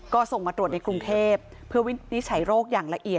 ก็ส่งมาตรวจในกรุงเทพเพื่อวินิจฉัยโรคอย่างละเอียด